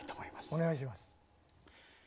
お願いします。